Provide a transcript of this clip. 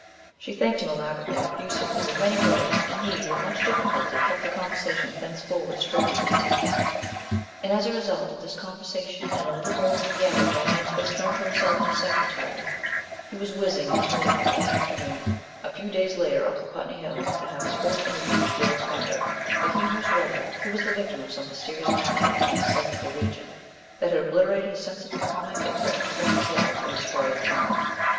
She thanked him elaborately, effusively, with many words, and he, with much difficulty, kept the conversation thenceforward strictly to the teapot. And, as a result of this conversation, and a little more he had gathered by means best known to himself and his secretary, he was whizzing in his motor car one afternoon a few days later up the Putney Hill to have his first interview with Felix Pender, the humorous writer who was the victim of some mysterious malady in his "psychical region" that had obliterated his sense of the comic and threatened to wreck his life and destroy his talent.